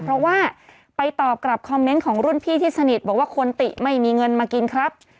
เพราะว่าไปตอบกับคอมเมนต์ของรุ่นพี่ที่สนิทบอกว่าคนติไม่มีเงินมากินครับ